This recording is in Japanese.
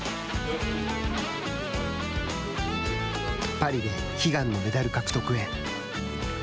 パリで悲願のメダル獲得へ。